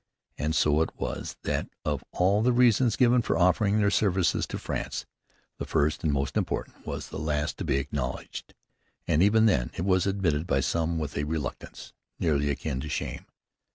And so it was that of all the reasons given for offering their services to France, the first and most important was the last to be acknowledged, and even then it was admitted by some with a reluctance nearly akin to shame.